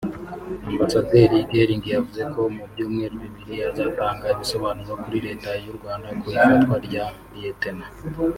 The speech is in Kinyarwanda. Ambasaderi Gelling yavuze ko mu byumweru bibiri azatanga ibisobanuro kuri Leta y’u Rwanda ku ifatwa rya Lt